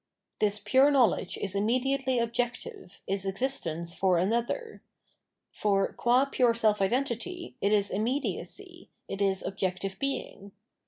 This pure knowledge is immediately objective, is existence for another ; for, qua pure self identity, it is immediacy, it is objective being.